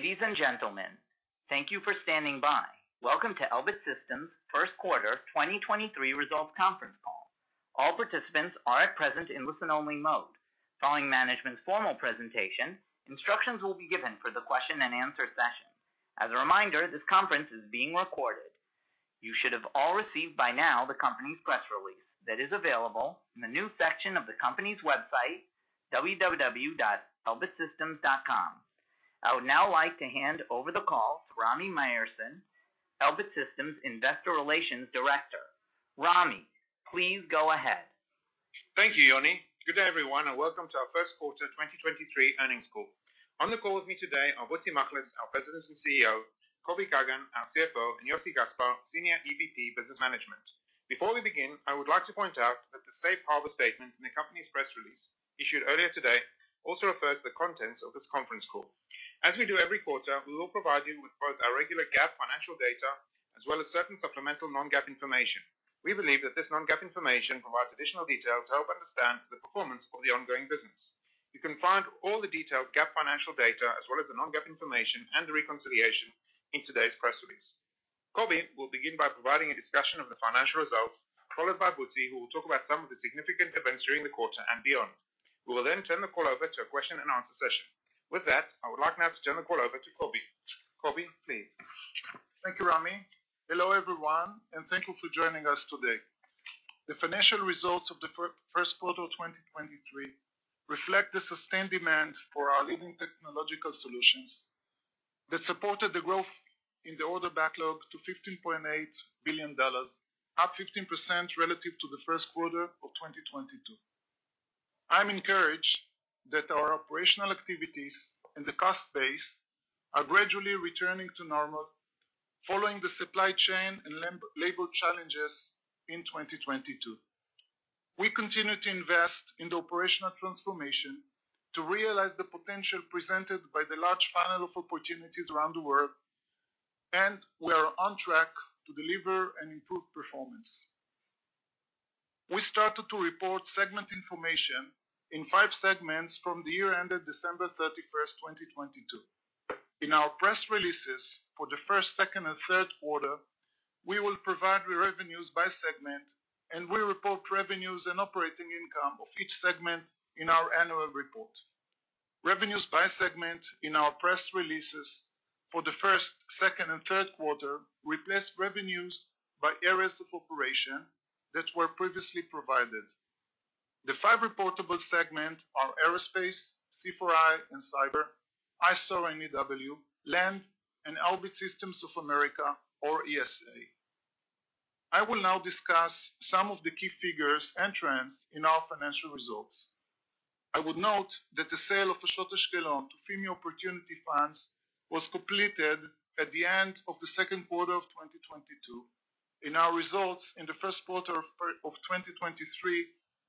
Ladies and gentlemen, thank you for standing by. Welcome to Elbit Systems' first quarter 2023 results conference call. All participants are at present in listen-only mode. Following management's formal presentation, instructions will be given for the question and answer session. As a reminder, this conference is being recorded. You should have all received by now the company's press release that is available in the new section of the company's website, www.elbitsystems.com. I would now like to hand over the call to Rami Myerson, Elbit Systems Investor Relations Director. Rami, please go ahead. Thank you, Yoni. Good day, everyone, and welcome to our first quarter 2023 earnings call. On the call with me today are Butzi Machlis, our President and CEO, Kobi Kagan, our CFO, and Yossi Gaspar, Senior EVP, Business Management. Before we begin, I would like to point out that the safe harbor statement in the company's press release, issued earlier today, also refers to the contents of this conference call. As we do every quarter, we will provide you with both our regular GAAP financial data as well as certain supplemental non-GAAP information. We believe that this non-GAAP information provides additional detail to help understand the performance of the ongoing business. You can find all the detailed GAAP financial data as well as the non-GAAP information and the reconciliation in today's press release. Kobi will begin by providing a discussion of the financial results, followed by Butzi, who will talk about some of the significant events during the quarter and beyond. We will turn the call over to a question-and-answer session. With that, I would like now to turn the call over to Kobi. Kobi, please. Thank you, Rami. Hello, everyone, thank you for joining us today. The financial results of the first quarter of 2023 reflect the sustained demand for our leading technological solutions that supported the growth in the order backlog to $15.8 billion, up 15% relative to the first quarter of 2022. I'm encouraged that our operational activities and the cost base are gradually returning to normal following the supply chain and labor challenges in 2022. We continue to invest in the operational transformation to realize the potential presented by the large funnel of opportunities around the world, we are on track to deliver an improved performance. We started to report segment information in five segments from the year ended December 31st, 2022. In our press releases for the first, second, and third quarter, we will provide the revenues by segment, and we report revenues and operating income of each segment in our annual report. Revenues by segment in our press releases for the first, second, and third quarter, replace revenues by areas of operation that were previously provided. The five reportable segments are Aerospace, C4I and Cyber, ISTAR and EW, Land, and Elbit Systems of America or ESA. I will now discuss some of the key figures and trends in our financial results. I would note that the sale of Ashot Ashkelon to FIMI Opportunity Funds was completed at the end of the second quarter of 2022, and our results in the first quarter of 2023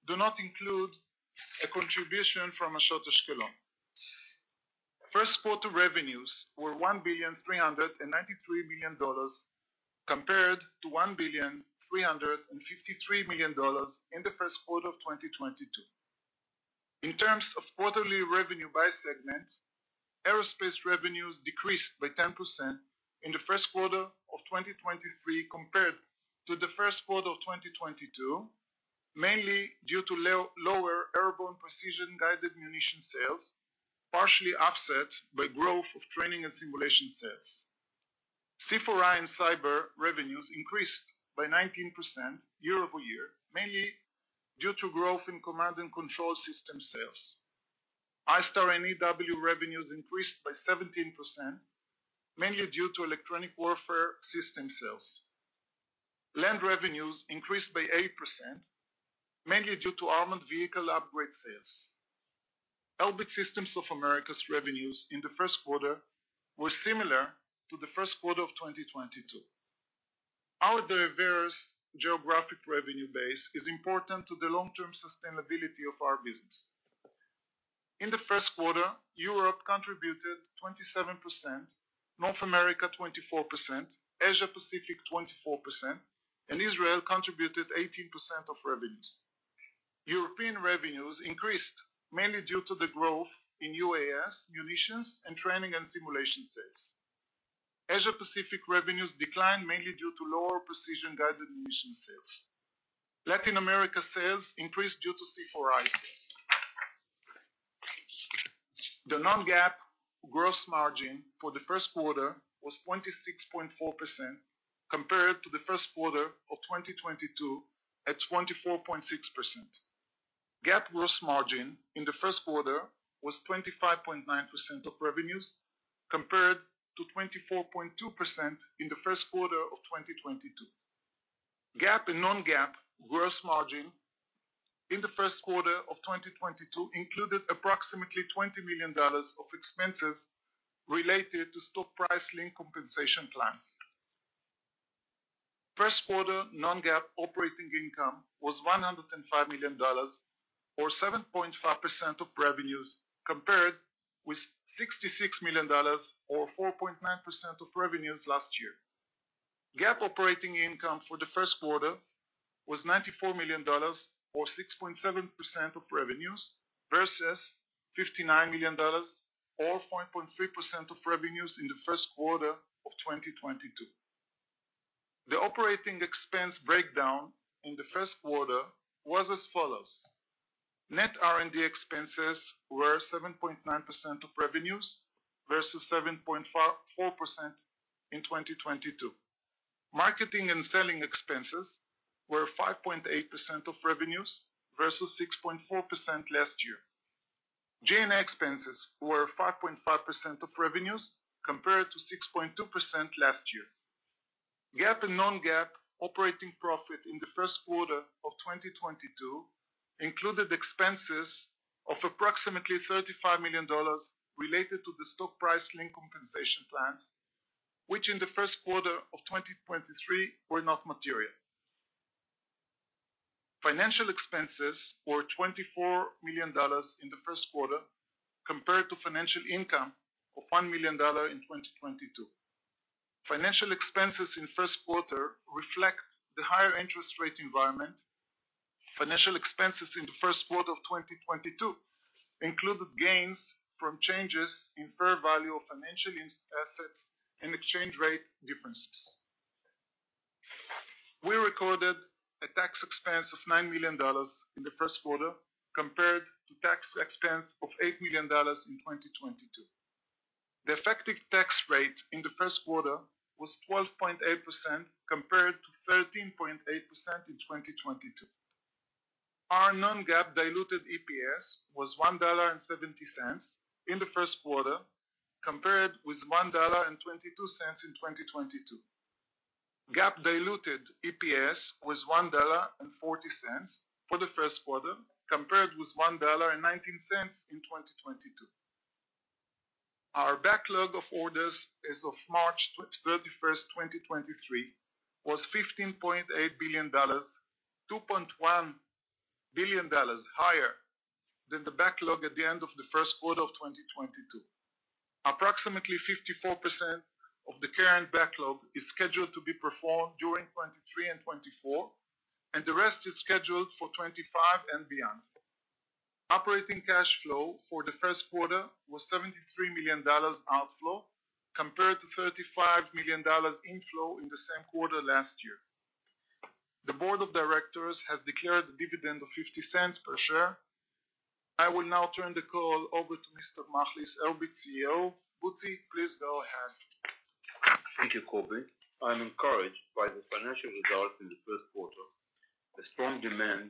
do not include a contribution from Ashot Ashkelon. First quarter revenues were $1.393 billion, compared to $1.353 billion in the first quarter of 2022. In terms of quarterly revenue by segment, aerospace revenues decreased by 10% in the first quarter of 2023, compared to the first quarter of 2022, mainly due to lower airborne precision-guided munition sales, partially offset by growth of training and simulation sales. C4I and Cyber revenues increased by 19% year-over-year, mainly due to growth in command and control system sales. ISTAR and EW revenues increased by 17%, mainly due to electronic warfare system sales. Land revenues increased by 8%, mainly due to armored vehicle upgrade sales. Elbit Systems of America's revenues in the first quarter were similar to the first quarter of 2022. Our diverse geographic revenue base is important to the long-term sustainability of our business. In the first quarter, Europe contributed 27%, North America, 24%, Asia Pacific, 24%, and Israel contributed 18% of revenues. European revenues increased mainly due to the growth in UAS, munitions, and training and simulation sales. Asia Pacific revenues declined mainly due to lower precision-guided munition sales. Latin America sales increased due to C4I sales. The non-GAAP gross margin for the first quarter was 26.4%, compared to the first quarter of 2022 at 24.6%. GAAP gross margin in the first quarter was 25.9% of revenues, compared to 24.2% in the first quarter of 2022. GAAP and non-GAAP gross margin in the first quarter of 2022 included approximately $20 million of expenses related to stock price link compensation plan. First quarter non-GAAP operating income was $105 million, or 7.5% of revenues, compared with $66 million or 4.9% of revenues last year. GAAP operating income for the first quarter was $94 million, or 6.7% of revenues, versus $59 million, or 4.3% of revenues in the first quarter of 2022. The operating expense breakdown in the first quarter was as follows: Net R&D expenses were 7.9% of revenues versus 7.44% in 2022. Marketing and selling expenses were 5.8% of revenues versus 6.4% last year. G&A expenses were 5.5% of revenues, compared to 6.2% last year. GAAP and non-GAAP operating profit in the first quarter of 2022 included expenses of approximately $35 million related to the stock price link compensation plan, which in the first quarter of 2023 were not material. Financial expenses were $24 million in the first quarter, compared to financial income of $1 million in 2022. Financial expenses in the first quarter reflect the higher interest rate environment. Financial expenses in the first quarter of 2022 included gains from changes in fair value of financial assets and exchange rate differences. We recorded a tax expense of $9 million in the first quarter, compared to tax expense of $8 million in 2022. The effective tax rate in the first quarter was 12.8%, compared to 13.8% in 2022. Our non-GAAP diluted EPS was $1.70 in the first quarter, compared with $1.22 in 2022. GAAP diluted EPS was $1.40 for the first quarter, compared with $1.19 in 2022. Our backlog of orders as of March 31st, 2023, was $15.8 billion, $2.1 billion higher than the backlog at the end of the first quarter of 2022. Approximately 54% of the current backlog is scheduled to be performed during 2023 and 2024, and the rest is scheduled for 2025 and beyond. Operating cash flow for the first quarter was $73 million outflow, compared to $35 million inflow in the same quarter last year. The board of directors has declared a dividend of $0.50 per share. I will now turn the call over to Mr. Machlis, Elbit CEO. Butzi, please go ahead. Thank you, Kobi. I'm encouraged by the financial results in the first quarter, the strong demand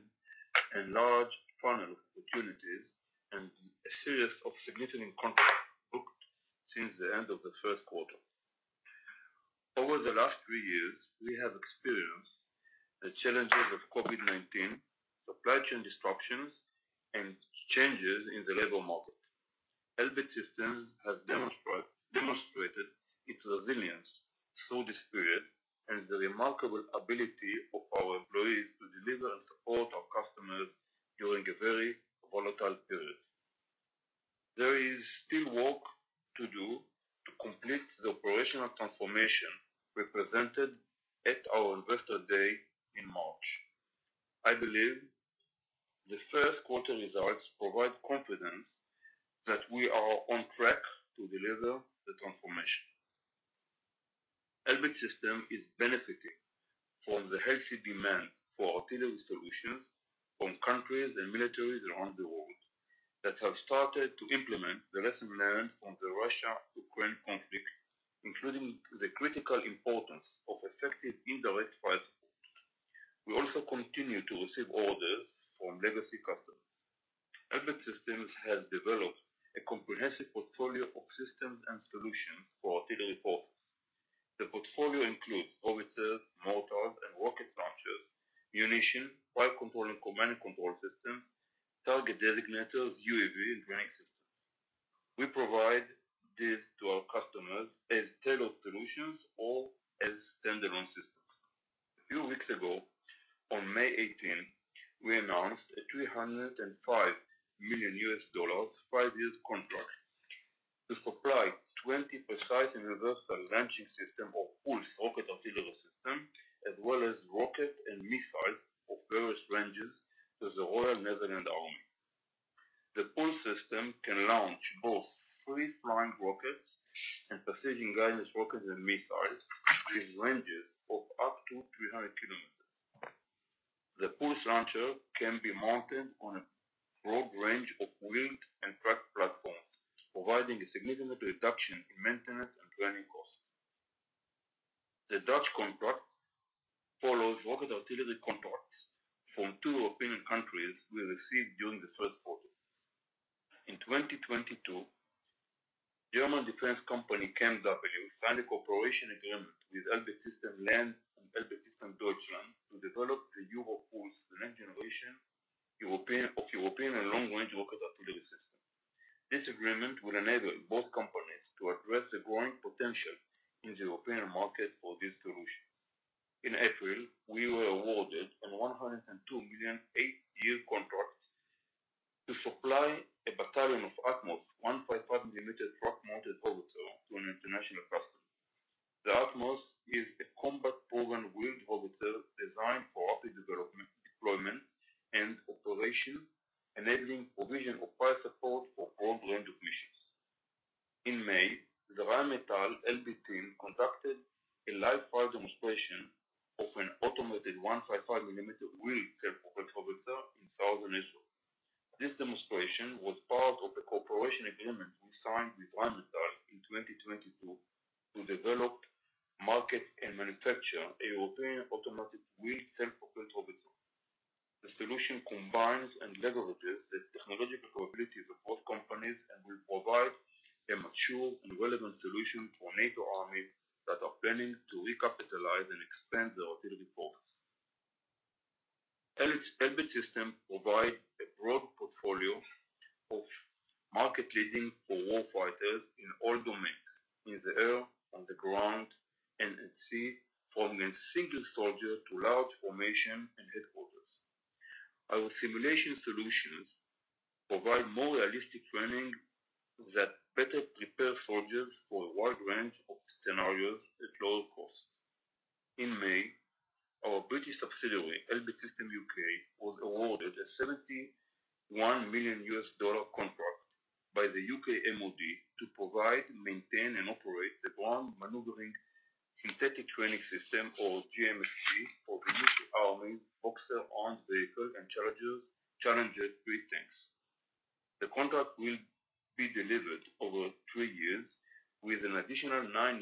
and large funnel opportunities, and a series of significant contracts booked since the end of the first quarter. Over the last three years, we have experienced the challenges of COVID-19, supply chain disruptions, and changes in the labor market. Elbit Systems has demonstrated its resilience through this period, and the remarkable ability of our employees to deliver and support our customers during a very volatile period. There is still work to do to complete the operational transformation we presented at our Investor Day in March. I believe the first quarter results provide confidence that we are on track to deliver the transformation. Elbit Systems is benefiting from the healthy demand for artillery solutions from countries and militaries around the world, that have started to implement the lessons learned from the Russia-Ukraine conflict, including the critical importance of effective indirect fire support. We continue to receive orders from legacy customers. Elbit Systems has developed a comprehensive portfolio of systems and solutions for artillery forces. The portfolio includes howitzers, mortars, and rocket launchers, munition, fire control and command and control system, target designators, UAV, and training systems. We provide this to our customers as tailored solutions or as standalone systems. A few weeks ago, on May 18, we announced a $305 million five-year contract to supply 20 Precise and Universal Launching System of PULS rocket artillery system, as well as rocket and missile of various ranges to the Royal Netherlands Army. The PULS system can launch both free flying rockets and precision-guided rockets and missiles, with ranges of up to 300 km. The PULS launcher can be mounted on a broad range of wheeled and tracked platforms, providing a significant reduction in maintenance and training costs. The Dutch contract follows rocket artillery contracts from two opinion countries we received during the first quarter. In 2022, German defense company, KMW, signed a cooperation agreement with Elbit Systems Land and Elbit Systems Deutschland, to develop the Euro-PULS, the next generation European and long-range rocket artillery system. This agreement will enable both companies to address the growing potential in the European market for this solution. In April, we were awarded a $102 million, eight-year contract to supply a battalion of ATMOS, 155mm truck-mounted howitzer to an international customer. The ATMOS is a combat-proven wheeled howitzer designed for rapid development, deployment, and operation, enabling provision of fire support for broad range of missions. In May, the Rheinmetall Elbit team conducted a live fire demonstration of an automated 155mm wheeled self-propelled howitzer in southern Israel. This demonstration was part of the cooperation agreement we signed with Rheinmetall in 2022 to develop, market, and manufacture a European automatic wheeled self-propelled howitzer. The solution combines and leverages the technological capabilities of both companies and will provide a mature and relevant solution for NATO armies that are planning to recapitalize and expand their artillery force. Elbit Systems provide a broad portfolio of market leading for war fighters in all domains, in the air, on the ground, and at sea, from a single soldier to large formation and headquarters. Our simulation solutions provide more realistic training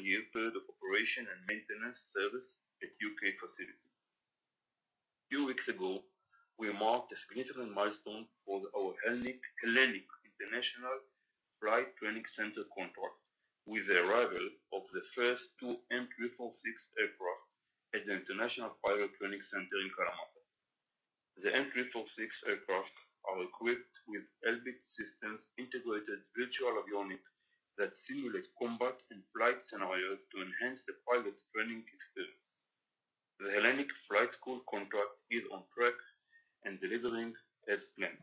that better prepare soldiers for a wide range of scenarios at lower costs. In May, our British subsidiary, Elbit Systems UK, was awarded a $71 million contract by the U.K. MoD to provide, maintain, and operate the Ground Manoeuvre Synthetic Trainer system, or GMST, for the U.K. Army Boxer armoured vehicle and Challenger 3 tanks. The contract will be delivered over three years, with an additional nine years period of operation and maintenance service at U.K. facilities. Few weeks ago, we marked a significant milestone for our Hellenic International Flight Training Center contract with the arrival of the first two M-346 aircraft at the International Pilot Training Center in Kalamata. The M-346 aircraft are equipped with Elbit Systems' integrated virtual avionics that simulate combat and flight scenarios to enhance the pilot's training experience. The Hellenic Flight School contract is on track and delivering as planned.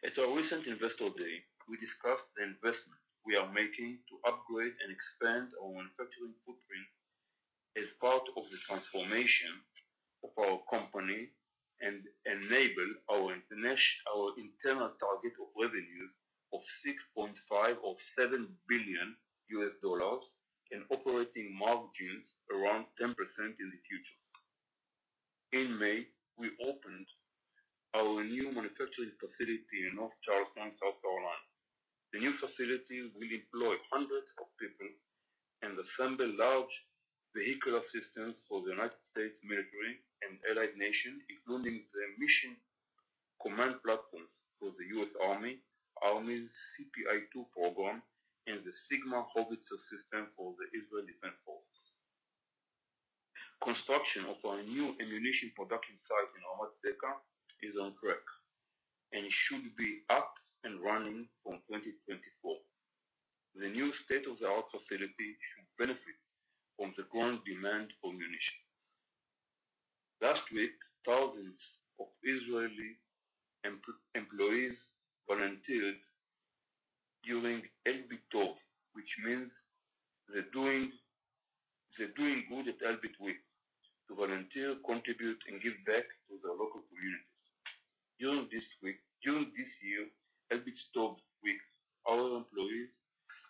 At our recent Investor Day, we discussed the investment we are making to upgrade and expand our manufacturing footprint as part of the transformation of our company and enable our internal target of revenue of $6.5 billion or $7 billion, and operating margins around 10% in the future. In May, we opened our new manufacturing facility in North Charleston, South Carolina. The new facility will employ hundreds of people and assemble large vehicular systems for the U.S. military and allied nations, including the Mission Command Platform for the U.S. Army's CPI2 program, and the SIGMA howitzer system for the Israel Defense Forces. Construction of our new ammunition production site in Ramat Beka is on track. It should be up and running from 2024. The new state-of-the-art facility should benefit from the growing demand for munition. Last week, thousands of Israeli employees volunteered during Elbit-Tov, which means they're doing good at Elbit week, to volunteer, contribute, and give back to their local communities. During this year, Elbit-Tov week, our employees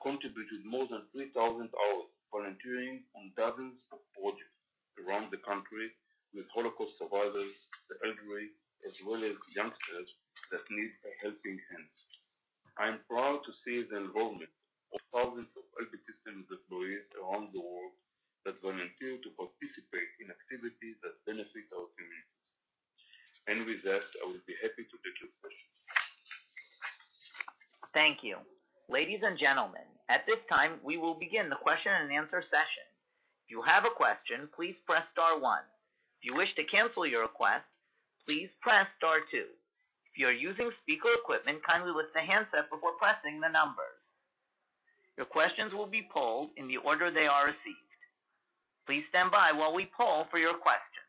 contributed more than 3,000 hours, volunteering on dozens of projects around the country with Holocaust survivors, the elderly, as well as youngsters that need a helping hand. I'm proud to see the involvement of thousands of Elbit Systems employees around the world that volunteer to participate in activities that benefit our communities. With that, I will be happy to take your questions. Thank you. Ladies and gentlemen, at this time, we will begin the question and answer session. If you have a question, please press star one. If you wish to cancel your request, please press star two. If you are using speaker equipment, kindly lift the handset before pressing the numbers. Your questions will be polled in the order they are received. Please stand by while we poll for your questions.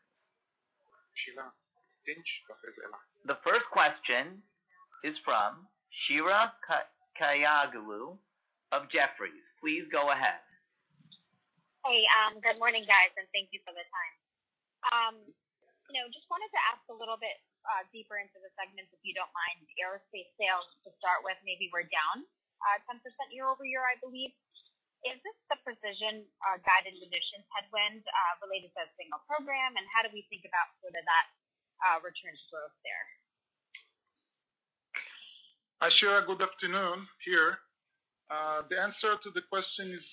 Sheila Kahyaoglu. The first question is from Sheila Kahyaoglu of Jefferies. Please go ahead. Hey, good morning, guys, and thank you for the time. you know, just wanted to ask a little bit deeper into the segments, if you don't mind. Aerospace sales, to start with, maybe we're down 10% year-over-year, I believe. Is this the precision guided munitions headwind, related to a single program? How do we think about sort of that, return to growth there? Hi, Sheila. Good afternoon. Here, the answer to the question is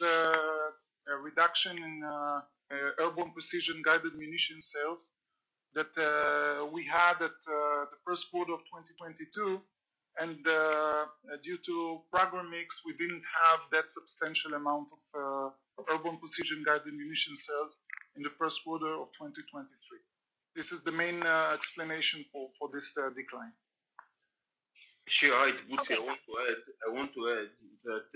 a reduction in airborne precision-guided munition sales that we had at the first quarter of 2022. Due to program mix, we didn't have that substantial amount of airborne precision-guided munition sales in the first quarter of 2023. This is the main explanation for this decline. Sheila, I, good day. I want to add that.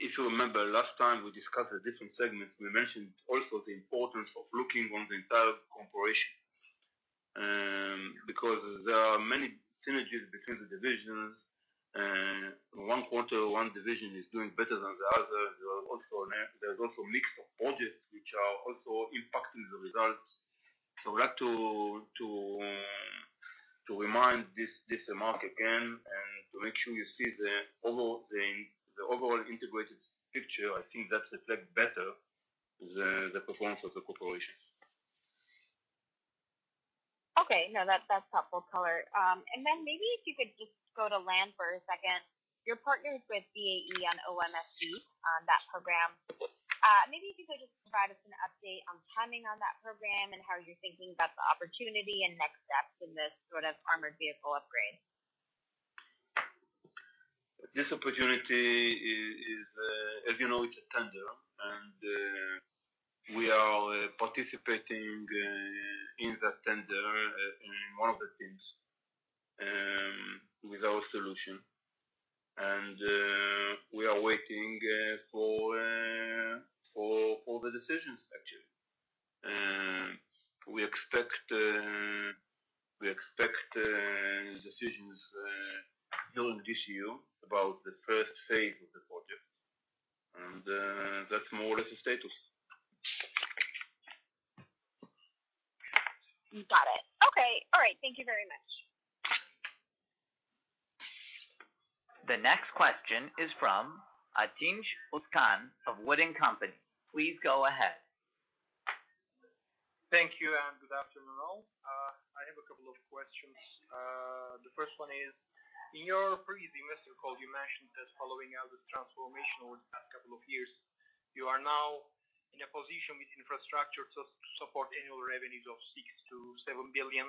If you remember last time we discussed the different segments, we mentioned also the importance of looking on the entire corporation. Because there are many synergies between the divisions, and one quarter, one division is doing better than the other. There's also a mix of projects which are also impacting the results. We have to remind this remark again, and to make sure you see the overall integrated picture. I think that reflect better the performance of the corporation. Okay. No, that's helpful color. Maybe if you could just go to land for a second. You're partnered with BAE on OMFV, on that program. Maybe if you could just provide us an update on timing on that program and how you're thinking about the opportunity and next steps in this sort of armored vehicle upgrade. This opportunity is, as you know, it's a tender, and we are participating in that tender in one of the teams with our solution. We are waiting for the decisions, actually. We expect decisions during H2 about the first phase of the project, and that's more or less the status. Got it. Okay. All right. Thank you very much. The next question is from Atinç Özkan of WOOD & Company. Please go ahead. Thank you. Good afternoon all. I have a couple of questions. The first one is, in your previous investor call, you mentioned that following out the transformation over the past couple of years, you are now in a position with infrastructure to support annual revenues of $6 billion-$7 billion,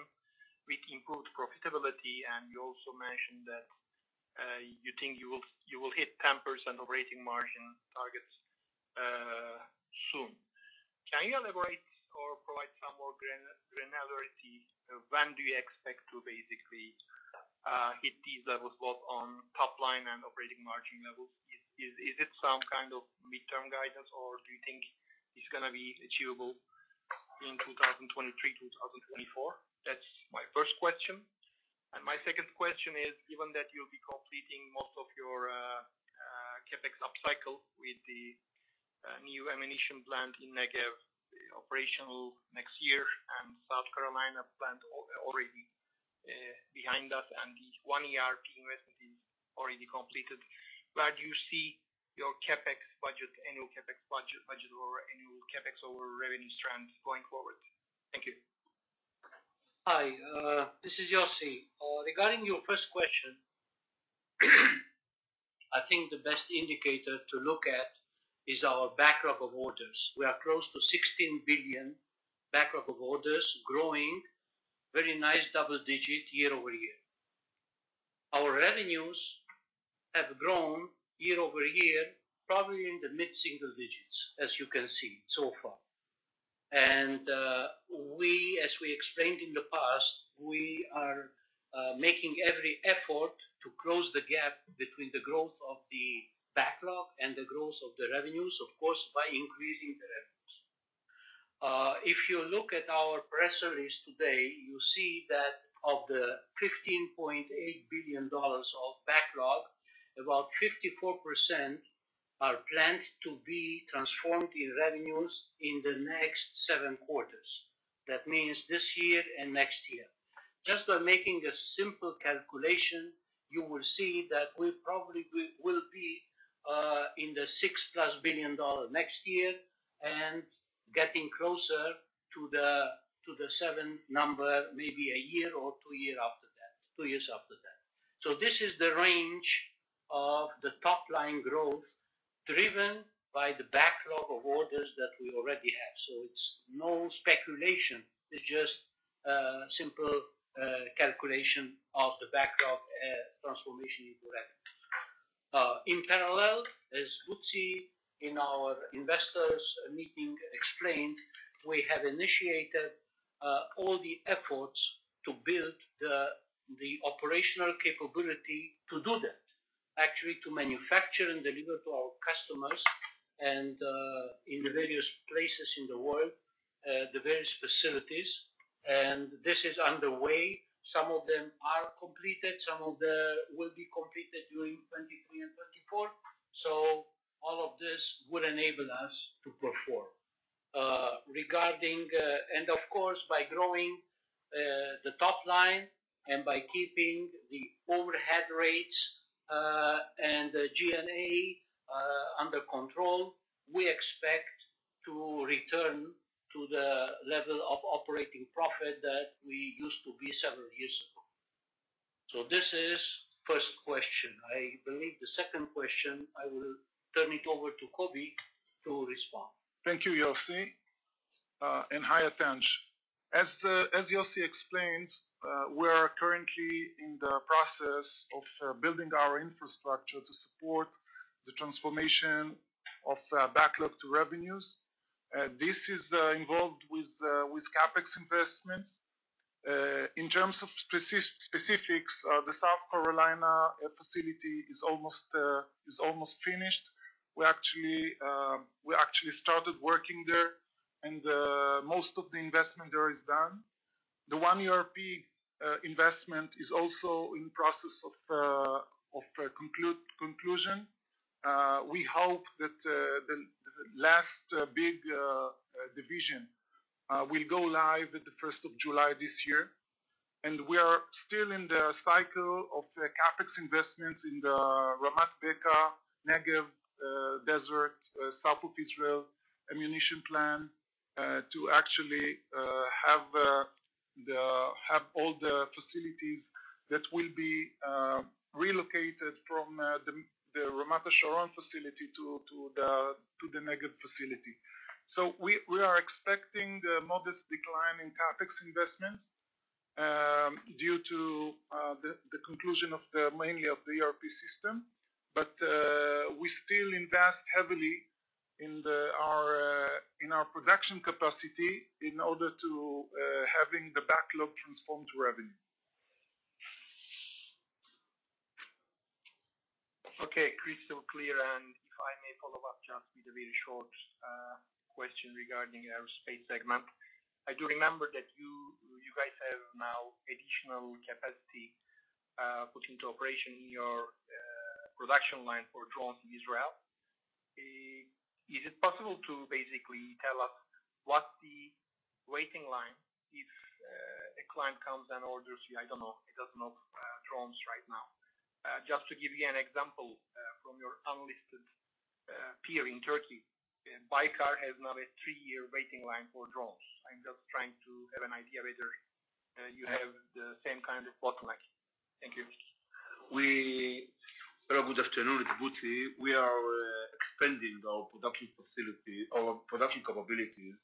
with improved profitability. You also mentioned that you think you will hit 10% operating margin targets soon. Can you elaborate or provide some more granularity? When do you expect to basically hit these levels, both on top line and operating margin levels? Is it some kind of midterm guidance, or do you think it's gonna be achievable in 2023, 2024? That's my first question. My second question is, given that you'll be completing most of your CapEx upcycle with the new ammunition plant in Negev, operational next year, and South Carolina plant already behind us, and the one ERP investment is already completed, where do you see your CapEx budget, annual CapEx budget or annual CapEx over revenue trends going forward? Thank you. Hi, this is Yossi. Regarding your first question, I think the best indicator to look at is our backlog of orders. We are close to $16 billion backlog of orders, growing very nice double-digit year-over-year. Our revenues have grown year-over-year, probably in the mid-single-digits, as you can see so far. We, as we explained in the past, we are making every effort to close the gap between the growth of the backlog and the growth of the revenues, of course, by increasing the revenues. If you look at our press release today, you see that of the $15.8 billion of backlog, about 54% are planned to be transformed in revenues in the next seven quarters. That means this year and next year. Just by making a simple calculation, you will see that we probably will be in the $6+ billion next year and getting closer to the $7 billion, maybe a year or two years after that. This is the range of the top-line growth, driven by the backlog of orders that we already have. It's no speculation, it's just simple calculation of the backlog transformation into revenues. In parallel, as Butzi, in our investors meeting, explained, we have initiated all the efforts to build the operational capability to do that. Actually, to manufacture and deliver to our customers in the various places in the world, the various facilities. This is underway. Some of them are completed, some of them will be completed during 2023 and 2024. All of this would enable us to perform. Of course, by growing the top line and by keeping the overhead rates and the G&A under control, we expect to return to the level of operating profit that we used to be several years ago. This is first question. I believe the second question, I will turn it over to Kobi to respond. Thank you, Yossi, and hi, Atinç. As Yossi explains, we are currently in the process of building our infrastructure to support the transformation of backlog to revenues. This is involved with CapEx investment. In terms of specifics, the South Carolina facility is almost finished. We actually started working there, and most of the investment there is done. The one ERP investment is also in process of conclusion. We hope that the last big division will go live at the 1st of July this year. We are still in the cycle of the CapEx investments in the Ramat Beka, Negev Desert, South of Israel, ammunition plant, to actually have all the facilities that will be relocated from the Ramat Hasharon facility to the Negev facility. We are expecting the modest decline in CapEx investments due to the conclusion of the, mainly of the ERP system. We still invest heavily in our production capacity in order to having the backlog transformed to revenue. Okay, crystal clear. If I may follow up just with a very short question regarding Aerospace segment. I do remember that you guys have now additional capacity put into operation in your production line for drones in Israel. Is it possible to basically tell us what the waiting line, if a client comes and orders you, I don't know, a dozen drones right now? Just to give you an example, from your unlisted peer in Turkey, Baykar has now a three-year waiting line for drones. I'm just trying to have an idea whether you have the same kind of bottleneck. Thank you. Hello, good afternoon, it's Butzi. We are expanding our production facility, our production capabilities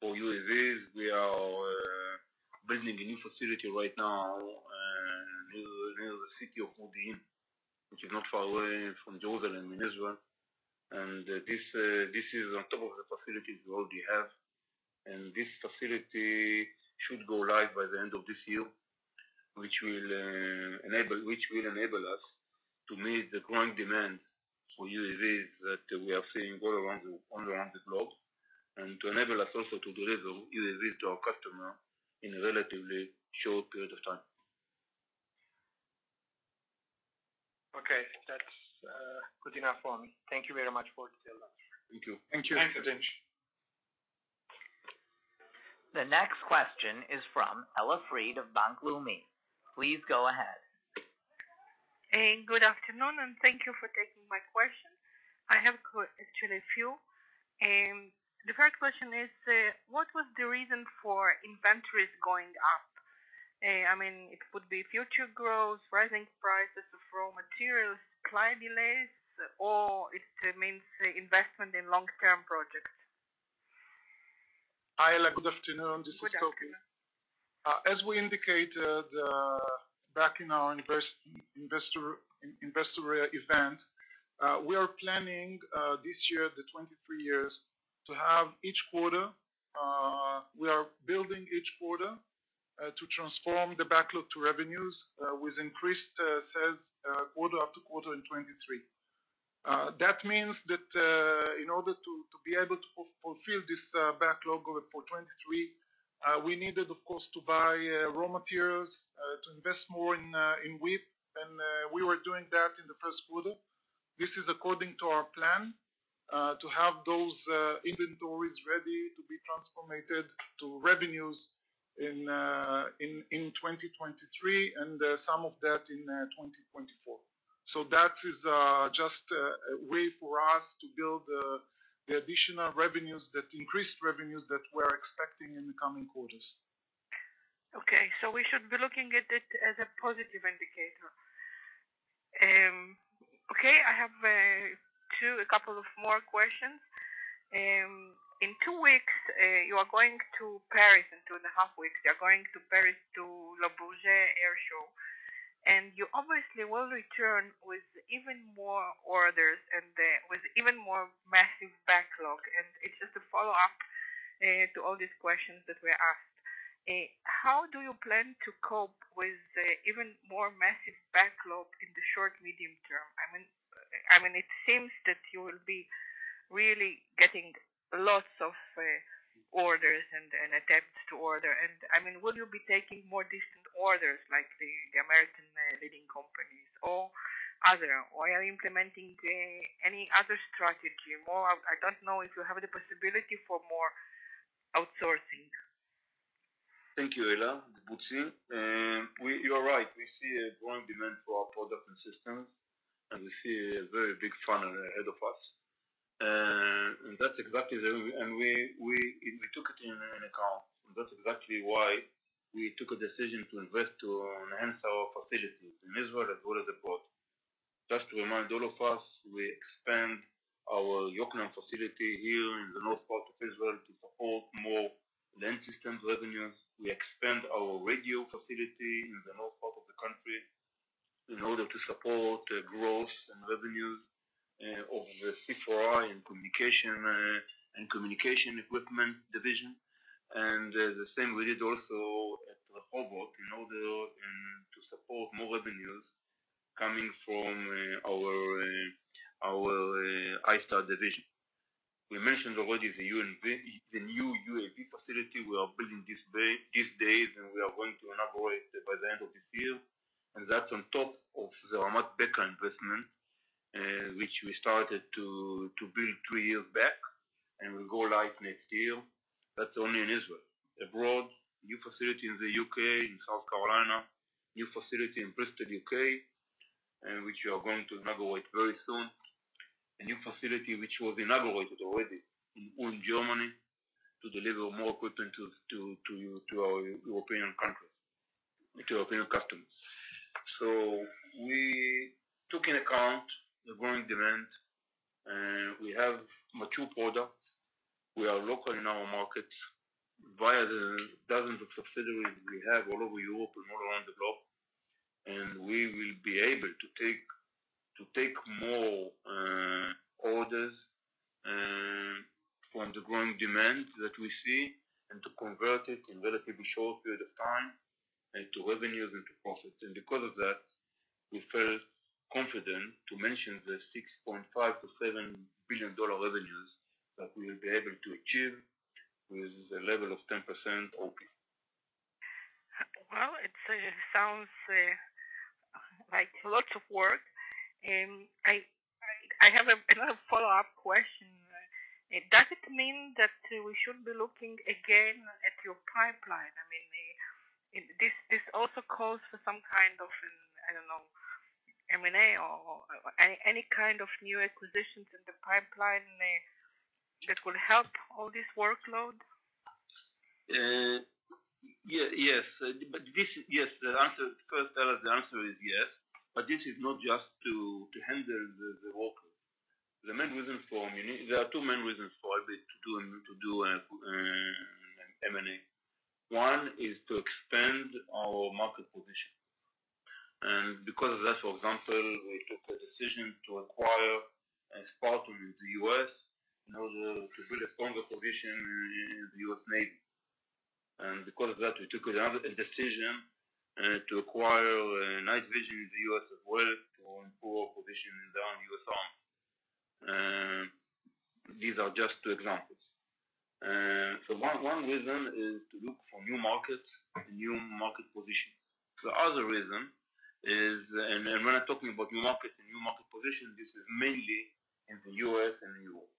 for UAVs. We are building a new facility right now near the city of Modi'in, which is not far away from Jerusalem in Israel. This is on top of the facilities we already have. This facility should go live by the end of this year, which will enable us to meet the growing demand for UAVs that we are seeing all around the globe, and to enable us also to deliver UAVs to our customer in a relatively short period of time. Okay, that's good enough for me. Thank you very much for your time. Thank you. Thank you. The next question is from Ella Fried of Bank Leumi. Please go ahead. Hey, good afternoon, thank you for taking my question. I have actually a few. The first question is, what was the reason for inventories going up? I mean, it could be future growth, rising prices of raw materials, client delays, or it means investment in long-term projects. Hi, Ella. Good afternoon. Good afternoon. This is Kobi. As we indicated back in our investor event, we are planning this year, the 2023 years, to have each quarter, we are building each quarter, to transform the backlog to revenues with increased sales quarter after quarter in 2023. That means that in order to be able to fulfill this backlog of for 2023, we needed, of course, to buy raw materials, to invest more in in width. We were doing that in the first quarter. This is according to our plan to have those inventories ready to be transformed to revenues in 2023, and some of that in 2024. That is just a way for us to build the additional revenues, that increased revenues that we're expecting in the coming quarters. Okay, we should be looking at it as a positive indicator. Okay, I have a couple of more questions. In two weeks, you are going to Paris, in 2.5 weeks, you're going to Paris to Le Bourget Air Show, and you obviously will return with even more orders and with even more massive backlog. It's just a follow-up to all these questions that were asked. How do you plan to cope with the even more massive backlog in the short, medium term? I mean, it seems that you will be really getting lots of orders and attempts to order. I mean, will you be taking more distant orders like the American leading companies or other? Or are you implementing any other strategy more? I don't know if you have the possibility for more outsourcing. Thank you, Ella. It's Butzi. You're right, we see a growing demand for our product and systems, and we see a very big funnel ahead of us. We took it in an account, and that's exactly why we took a decision to invest to enhance our facilities in Israel, as well as abroad. Just to remind all of us, we expand our Yokneam facility here in the north part of Israel to support more Land Systems revenues. We expand our radio facility in order to support the growth and revenues of the C4I and communication equipment division. The same we did also at Rehovot in order to support more revenues coming from our ISTAR division. We mentioned already the UAV, the new UAV facility we are building these days, and we are going to inaugurate it by the end of this year, and that's on top of the Ramat Beka investment, which we started to build two years back and will go live next year. That's only in Israel. Abroad, new facility in the U.K., in South Carolina, new facility in Preston, U.K., and which we are going to inaugurate very soon. A new facility which was inaugurated already in Germany, to deliver more equipment to our European countries, to European customers. We took in account the growing demand, and we have mature products. We are local in our markets via the dozens of subsidiaries we have all over Europe and all around the globe, and we will be able to take more orders from the growing demand that we see, and to convert it in relatively short period of time, and to revenues and to profits. Because of that, we felt confident to mention the $6.5 billion-$7 billion revenues that we will be able to achieve with a level of 10% OP. It sounds like lots of work. I have another follow-up question. Does it mean that we should be looking again at your pipeline? I mean, this also calls for some kind of, I don't know, M&A or any kind of new acquisitions in the pipeline that would help all this workload. Yes, the answer, first, Ella, the answer is yes, but this is not just to handle the workload. The main reason for M&A. There are two main reasons for Elbit to do M&A. One is to expand our market position. Because of that, for example, we took a decision to acquire Sparton in the U.S., in order to build a stronger position in the U.S. Navy. Because of that, we took another decision to acquire Night Vision in the U.S. as well, to improve our position in the U.S. Army. These are just two examples. So one reason is to look for new markets and new market positions. The other reason is, we're not talking about new markets and new market positions, this is mainly in the U.S. and in Europe.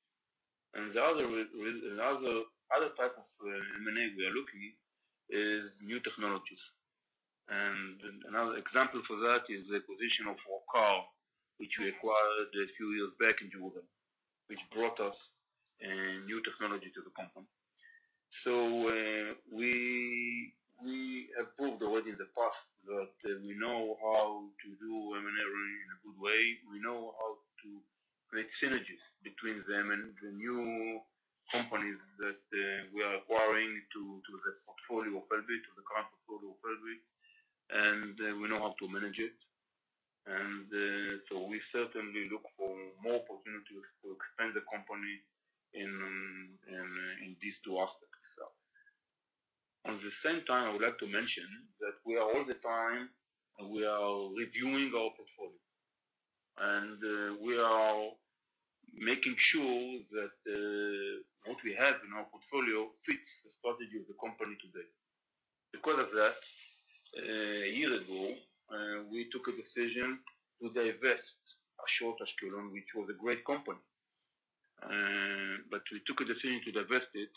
The other reason, other type of M&A we are looking is new technologies. Another example for that is the acquisition of Oakhill, which we acquired a few years back in Jordan, which brought us, a new technology to the company. We have proved already in the past that we know how to do M&A in a good way. We know how to create synergies between them and the new companies that we are acquiring to the portfolio of Elbit, to the current portfolio of Elbit, and we know how to manage it. We certainly look for more opportunities to expand the company in these two aspects. At the same time, I would like to mention that we are all the time, we are reviewing our portfolio, and we are making sure that what we have in our portfolio fits the strategy of the company today. Because of that, one year ago, we took a decision to divest Sparton, which was a great company. But we took a decision to divest it,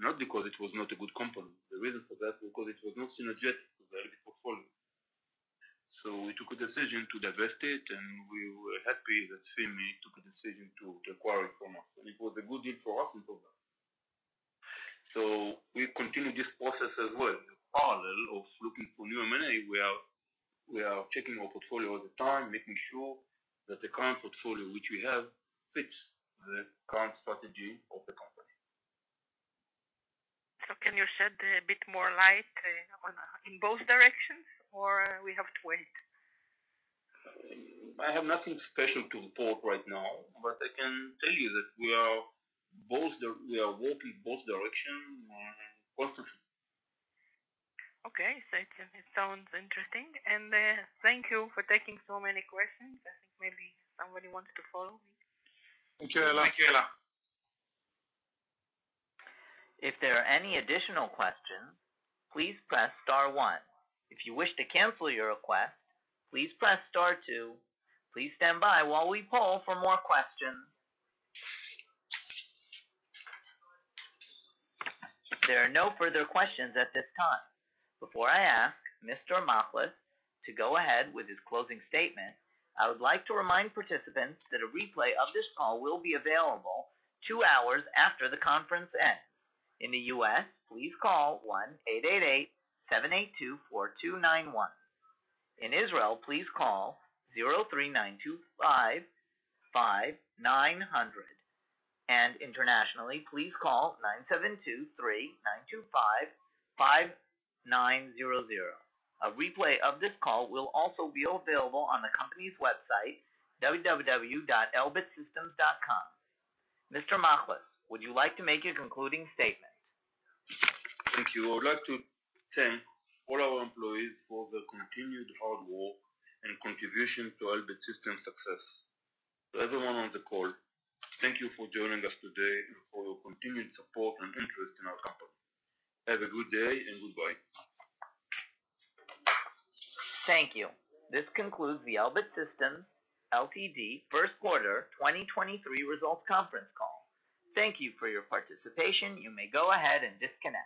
not because it was not a good company. The reason for that is because it was not synergetic to the Elbit portfolio. We took a decision to divest it, and we were happy that FIMI took a decision to acquire it from us, and it was a good deal for us and for them. We continue this process as well. In parallel of looking for new M&A, we are checking our portfolio all the time, making sure that the current portfolio, which we have, fits the current strategy of the company. Can you shed a bit more light on, in both directions, or we have to wait? I have nothing special to report right now, but I can tell you that we are working both direction, constantly. It sounds interesting. Thank you for taking so many questions. I think maybe somebody wants to follow me. Thank you, Ella. If there are any additional questions, please press star one. If you wish to cancel your request, please press star two. Please stand by while we poll for more questions. There are no further questions at this time. Before I ask Mr. Machlis to go ahead with his closing statement, I would like to remind participants that a replay of this call will be available two hours after the conference ends. In the U.S., please call 1-888-782-4291. In Israel, please call 03-925-5900, and internationally, please call 972-3-925-5900. A replay of this call will also be available on the company's website, www.elbitsystems.com. Mr. Machlis, would you like to make a concluding statement? Thank you. I would like to thank all our employees for their continued hard work and contribution to Elbit Systems success. To everyone on the call, thank you for joining us today and for your continued support and interest in our company. Have a good day, and goodbye. Thank you. This concludes the Elbit Systems Ltd first quarter 2023 results conference call. Thank you for your participation. You may go ahead and disconnect.